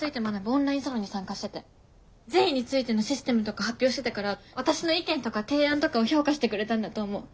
オンラインサロンに参加してて善意についてのシステムとか発表してたから私の意見とか提案とかを評価してくれたんだと思う。